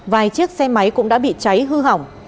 vài chiếc xe máy cũng đã bị cháy hư hỏng